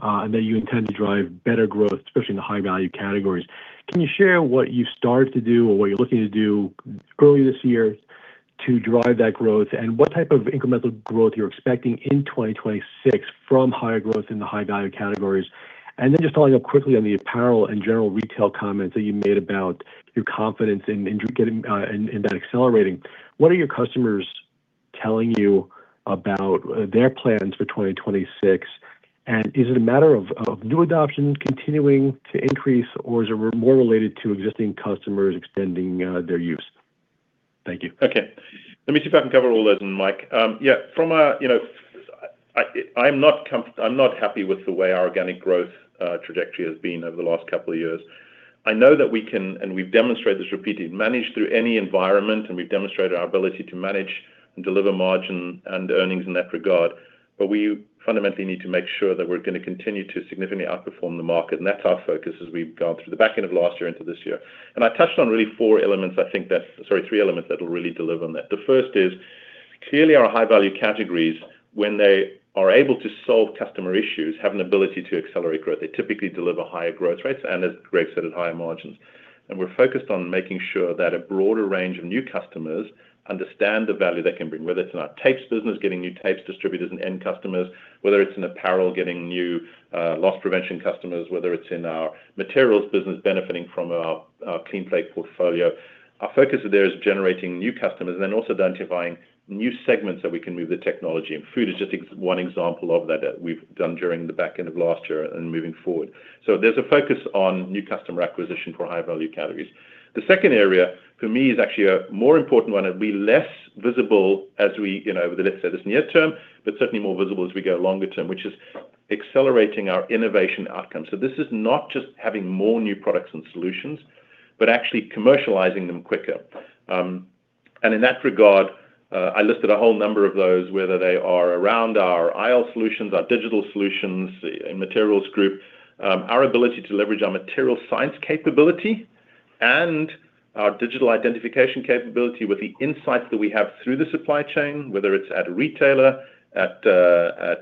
and that you intend to drive better growth, especially in the high-value categories. Can you share what you've started to do or what you're looking to do early this year to drive that growth? And what type of incremental growth you're expecting in 2026 from higher growth in the high-value categories? And then just following up quickly on the apparel and general retail comments that you made about your confidence in getting, and that accelerating, what are your customers telling you about their plans for 2026? And is it a matter of new adoption continuing to increase, or is it more related to existing customers extending their use? Thank you. Okay. Let me see if I can cover all those, Mike. From I'm not happy with the way our organic growth trajectory has been over the last couple of years. I know that we can, and we've demonstrated this repeatedly, manage through any environment, and we've demonstrated our ability to manage and deliver margin and earnings in that regard, but we fundamentally need to make sure that we're gonna continue to significantly outperform the market, and that's our focus as we've gone through the back end of last year into this year. And I touched on really four elements I think that, sorry, three elements that will really deliver on that. The first is, clearly, our high-value categories, when they are able to solve customer issues, have an ability to accelerate growth. They typically deliver higher growth rates and, as Greg said, higher margins. We're focused on making sure that a broader range of new customers understand the value they can bring, whether it's in our tapes business, getting new tapes, distributors and end customers, whether it's in apparel, getting new, loss prevention customers, whether it's in our materials business, benefiting from our, our CleanFlake portfolio. Our focus there is generating new customers and then also identifying new segments that we can move the technology. Food is just one example of that, that we've done during the back end of last year and moving forward. There's a focus on new customer acquisition for high-value categories. The second area, for me, is actually a more important one, it'll be less visible as we, you know, over the next set of near term, but certainly more visible as we go longer term, which is accelerating our innovation outcome. So this is not just having more new products and solutions, but actually commercializing them quicker. And in that regard, I listed a whole number of those, whether they are around our IL solutions, our digital solutions, in Materials Group, our ability to leverage our material science capability and our digital identification capability with the insights that we have through the supply chain, whether it's at a retailer, at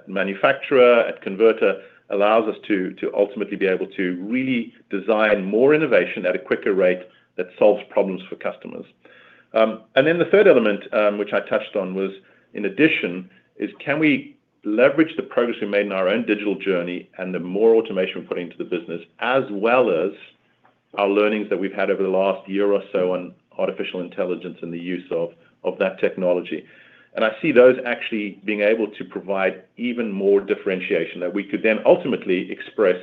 manufacturer, at converter, allows us to ultimately be able to really design more innovation at a quicker rate that solves problems for customers. And then the third element, which I touched on was, in addition, is can we leverage the progress we made in our own digital journey and the more automation we're putting into the business, as well as our learnings that we've had over the last year or so on artificial intelligence and the use of, of that technology? And I see those actually being able to provide even more differentiation that we could then ultimately express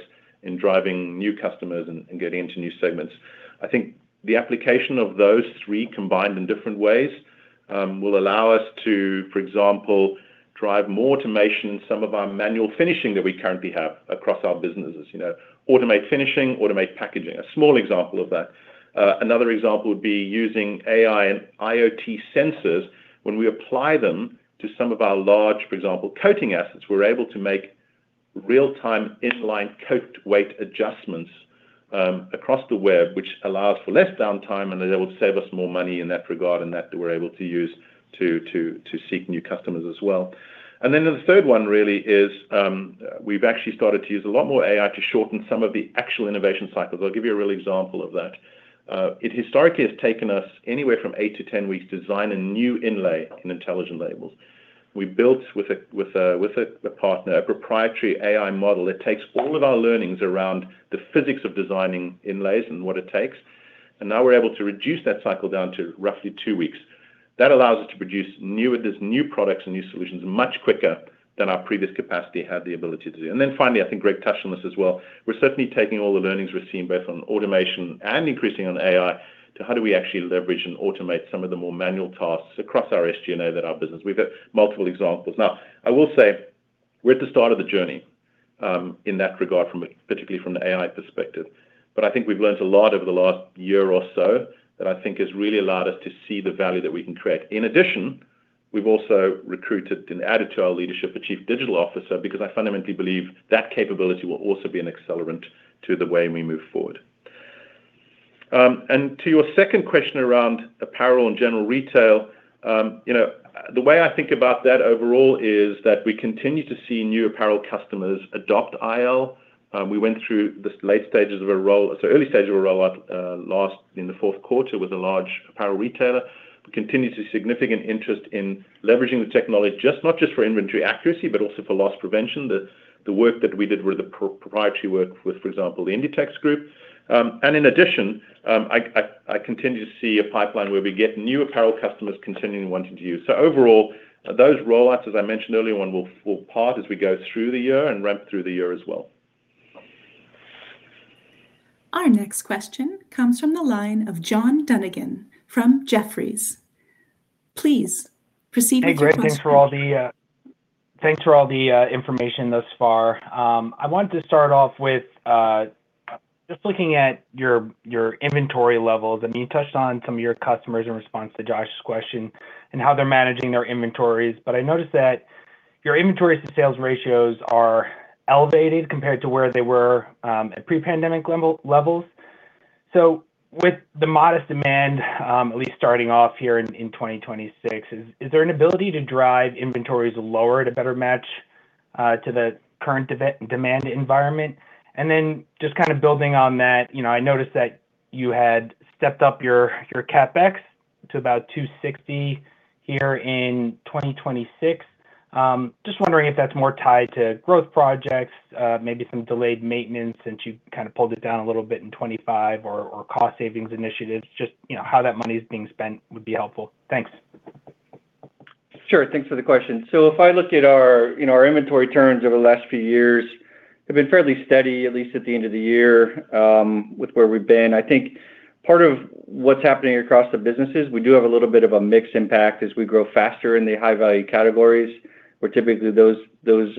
in driving new customers and, and getting into new segments. I think the application of those three combined in different ways, will allow us to, for example, drive more automation in some of our manual finishing that we currently have across our businesses, you know, automate finishing, automate packaging, a small example of that. Another example would be using AI and IoT sensors. When we apply them to some of our large, for example, coating assets, we're able to make real-time, in-line coat weight adjustments across the web, which allows for less downtime, and it will save us more money in that regard, and that we're able to use to seek new customers as well. And then the third one really is, we've actually started to use a lot more AI to shorten some of the actual innovation cycles. I'll give you a real example of that. It historically has taken us anywhere from 8-10 weeks to design a new inlay in Intelligent Labels. We built with a partner a proprietary AI model that takes all of our learnings around the physics of designing inlays and what it takes, and now we're able to reduce that cycle down to roughly two weeks. That allows us to produce newer, this new products and new solutions much quicker than our previous capacity had the ability to do. And then finally, I think Greg touched on this as well. We're certainly taking all the learnings we've seen, both on automation and increasing on AI, to how do we actually leverage and automate some of the more manual tasks across our SG&A than our business. We've got multiple examples. Now, I will say we're at the start of the journey, in that regard, particularly from the AI perspective. But I think we've learned a lot over the last year or so that I think has really allowed us to see the value that we can create. In addition, we've also recruited and added to our leadership, a chief digital officer, because I fundamentally believe that capability will also be an accelerant to the way we move forward. And to your second question around apparel and general retail, you know, the way I think about that overall is that we continue to see new apparel customers adopt IL. We went through the late stages of a roll-- so early stages of a rollout, last in the Q4 with a large apparel retailer. We continue to see significant interest in leveraging the technology, not just for inventory accuracy, but also for loss prevention. The work that we did with the proprietary work with, for example, the Inditex Group. And in addition, I continue to see a pipeline where we get new apparel customers continuing wanting to use. So overall, those rollouts, as I mentioned earlier on, will start as we go through the year and ramp through the year as well. Our next question comes from the line of John Dunigan from Jefferies Financial Group Inc. Please proceed with your question. Hey, great. Thanks for all the information thus far. I wanted to start off with just looking at your inventory levels. I mean, you touched on some of your customers in response to Josh's question and how they're managing their inventories. But I noticed that your inventories to sales ratios are elevated compared to where they were at pre-pandemic levels. So with the modest demand, at least starting off here in 2026, is there an ability to drive inventories lower to better match to the current demand environment? And then just building on that, you know, I noticed that you had stepped up your CapEx to about $260 here in 2026. Just wondering if that's more tied to growth projects, maybe some delayed maintenance, since you pulled it down a little bit in 2025, or, or cost savings initiatives. Just, you know, how that money is being spent would be helpful. Thanks. Sure. Thanks for the question. So if I looked at our, you know, our inventory turns over the last few years, they've been fairly steady, at least at the end of the year, with where we've been. I think part of what's happening across the businesses, we do have a little bit of a mixed impact as we grow faster in the high-value categories, where typically those, those,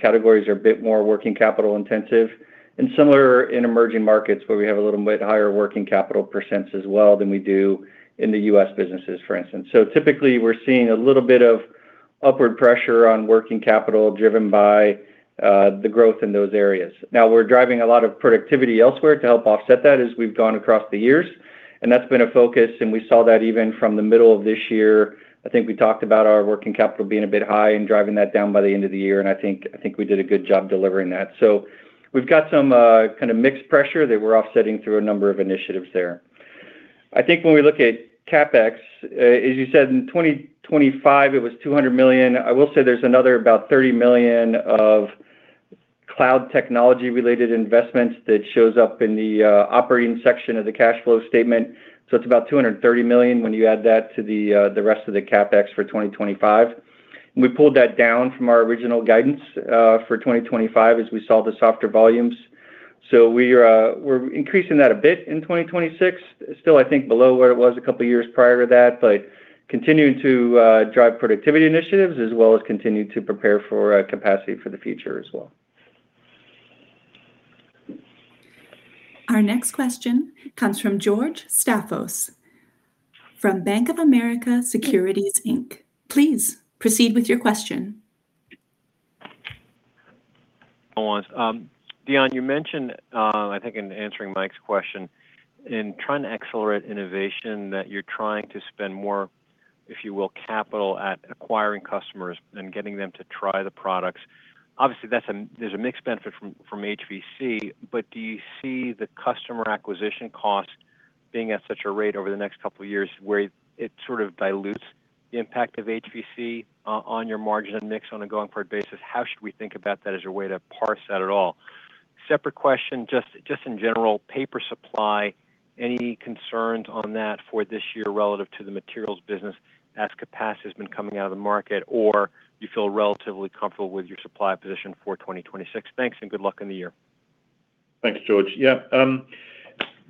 categories are a bit more working capital intensive. And similar in emerging markets, where we have a little bit higher working capital percents as well than we do in the U.S. businesses, for instance. So typically, we're seeing a little bit of upward pressure on working capital, driven by, the growth in those areas. Now, we're driving a lot of productivity elsewhere to help offset that as we've gone across the years, and that's been a focus, and we saw that even from the middle of this year. I think we talked about our working capital being a bit high and driving that down by the end of the year, and I think, I think we did a good job delivering that. So we've got some mixed pressure that we're offsetting through a number of initiatives there. I think when we look at CapEx, as you said, in 2025, it was $200 million. I will say there's another about $30 million of cloud technology-related investments that shows up in the operating section of the cash flow statement, so it's about $230 million when you add that to the rest of the CapEx for 2025. We pulled that down from our original guidance for 2025 as we saw the softer volumes. So we're, we're increasing that a bit in 2026. Still, I think below where it was a couple of years prior to that, but continuing to drive productivity initiatives as well as continue to prepare for capacity for the future as well. Our next question comes from George Staphos, from Bank of America Corporation. Please proceed with your question. Go on. Deon, you mentioned, I think in answering Mike's question, in trying to accelerate innovation, that you're trying to spend more, if you will, capital at acquiring customers and getting them to try the products. Obviously, that's a mixed benefit from HVC, but do you see the customer acquisition cost being at such a rate over the next couple of years where it dilutes the impact of HVC on your margin and mix on a going-forward basis? How should we think about that as a way to parse that at all? Separate question, just in general, paper supply, any concerns on that for this year relative to the materials business as capacity has been coming out of the market, or you feel relatively comfortable with your supply position for 2026? Thanks, and good luck in the year. Thanks, George.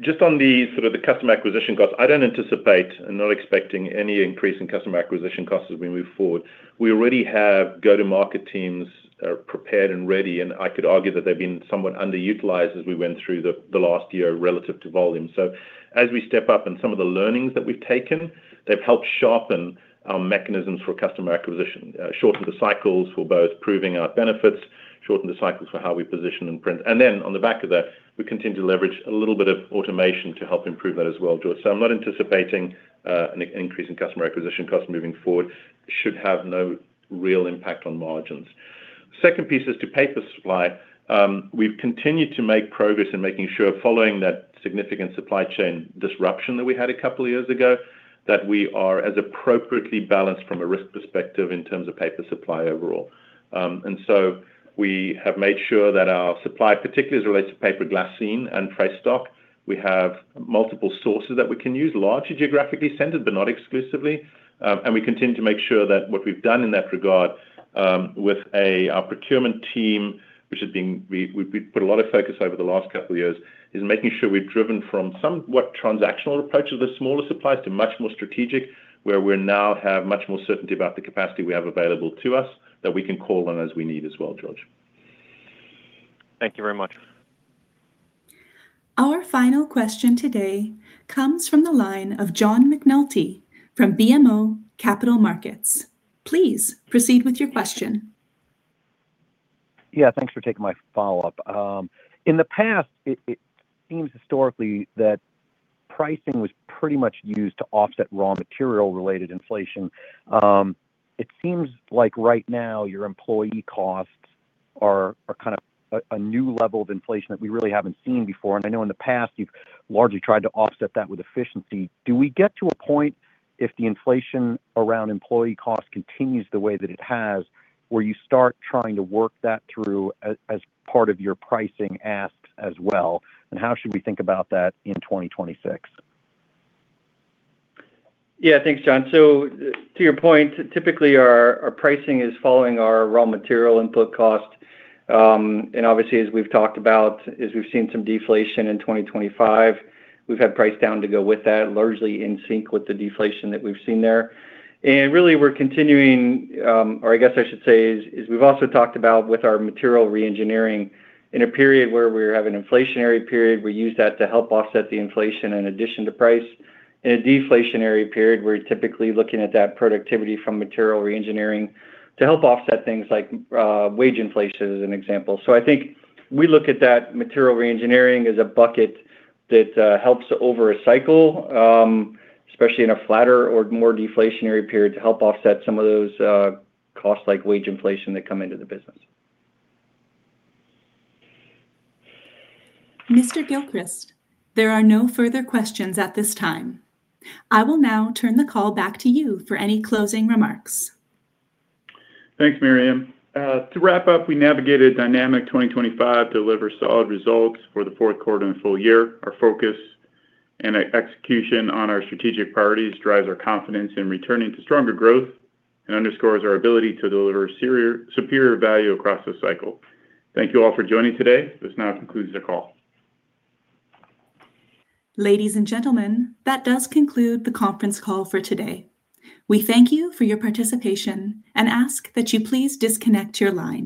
Just on the the customer acquisition costs, I don't anticipate and not expecting any increase in customer acquisition costs as we move forward. We already have go-to-market teams that are prepared and ready, and I could argue that they've been somewhat underutilized as we went through the last year relative to volume. So as we step up and some of the learnings that we've taken, they've helped sharpen our mechanisms for customer acquisition, shorten the cycles for both proving our benefits, shorten the cycles for how we position in print. And then on the back of that, we continue to leverage a little bit of automation to help improve that as well, George. So I'm not anticipating an increase in customer acquisition costs moving forward, should have no real impact on margins. Second piece is to paper supply. We've continued to make progress in making sure, following that significant supply chain disruption that we had a couple of years ago, that we are as appropriately balanced from a risk perspective in terms of paper supply overall. And so we have made sure that our supply, particularly as it relates to paper glassine and tray stock, we have multiple sources that we can use, largely geographically centered, but not exclusively. And we continue to make sure that what we've done in that regard, with our procurement team, which has been we've put a lot of focus over the last couple of years on making sure we've driven from somewhat transactional approach to the smaller suppliers to much more strategic, where we now have much more certainty about the capacity we have available to us that we can call on as we need as well, George. Thank you very much. Our final question today comes from the line of John McNulty from BMO Financial Group. Please proceed with your question. Thanks for taking my follow-up. In the past, it seems historically that pricing was pretty much used to offset raw material-related inflation. It seems like right now, your employee costs are a new level of inflation that we really haven't seen before. And I know in the past you've largely tried to offset that with efficiency. Do we get to a point, if the inflation around employee costs continues the way that it has, where you start trying to work that through as part of your pricing asks as well? And how should we think about that in 2026? Thanks, John. So to your point, typically our pricing is following our raw material input cost. And obviously, as we've talked about, as we've seen some deflation in 2025, we've had price down to go with that, largely in sync with the deflation that we've seen there. And really, we're continuing, or I guess I should say, we've also talked about with our Material Reengineering, in a period where we have an inflationary period, we use that to help offset the inflation in addition to price. In a deflationary period, we're typically looking at that productivity from Material Reengineering to help offset things like wage inflation, as an example. I think we look at that Material Reengineering as a bucket that helps over a cycle, especially in a flatter or more deflationary period, to help offset some of those costs, like wage inflation, that come into the business. Mr. Gilchrist, there are no further questions at this time. I will now turn the call back to you for any closing remarks. Thanks, Miriam. To wrap up, we navigated dynamic 2025, delivered solid results for the Q4 and full year. Our focus and execution on our strategic priorities drives our confidence in returning to stronger growth and underscores our ability to deliver superior value across the cycle. Thank you all for joining today. This now concludes the call. Ladies and gentlemen, that does conclude the conference call for today. We thank you for your participation and ask that you please disconnect your line.